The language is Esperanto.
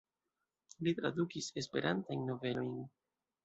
Li tradukis Esperantajn novelojn.